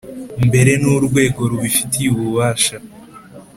Mbere n urwego rubifitiye ububasha